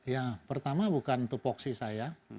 ya pertama bukan tupoksi saya